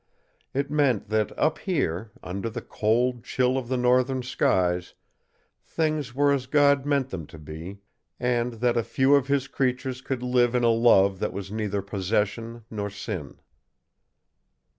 It meant that up here, under the cold chill of the northern skies, things were as God meant them to be, and that a few of His creatures could live in a love that was neither possession nor sin.